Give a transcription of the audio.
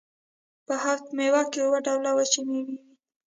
په هفت میوه کې اووه ډوله وچې میوې وي.